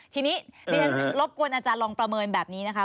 ทีนี้ดิฉันรบกวนอาจารย์ลองประเมินแบบนี้นะคะ